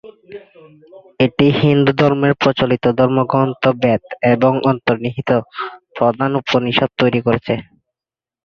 এটি হিন্দু ধর্মের প্রচলিত ধর্মগ্রন্থ বেদ এবং অন্তর্নিহিত প্রধান উপনিষদ তৈরি করেছে।